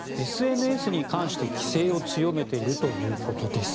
ＳＮＳに関して規制を強めているということです。